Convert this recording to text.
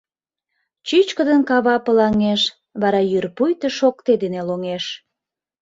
Чӱчкыдын кава пылаҥеш, вара йӱр пуйто шокте дене лоҥеш.